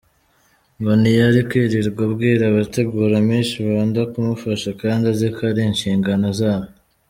Ngo ntiyari kwirirwa abwira abategura Miss Rwanda kumufasha kandi aziko ari inshingano z’abo.